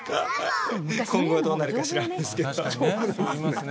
今後はどうなるか知らないですけど。